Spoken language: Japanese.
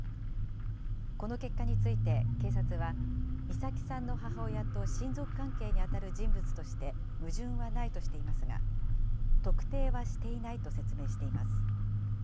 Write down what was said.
この結果について警察は、美咲さんの母親と親族関係に当たる人物として矛盾はないとしていますが、特定はしていないと説明しています。